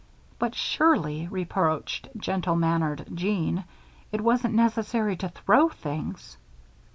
"But surely," reproached gentle mannered Jean, "it wasn't necessary to throw things."